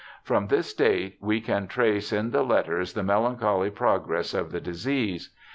From this date we can trace in the letters the melancholy progress of the disease.